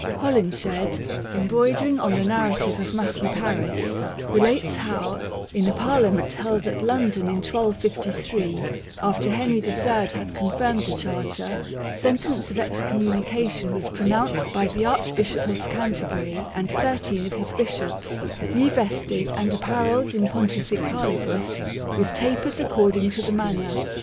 Holinshed, em broidering on the narrative of Matthew Paris, relates how, in a Parliament held at London in 1253, after Henry III had confirmed the Charter, sentence of excommunication was pronounced by the Archbishop of Canterbury and thirteen of his bishops " revested and apparelled in pontificalibus, with tapers accord ing to the manner